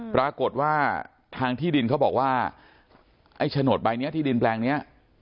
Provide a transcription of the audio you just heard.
ปรากฏว่าทางที่ดินเขาบอกว่าไอ้โฉนดใบนี้ที่ดินแปลงนี้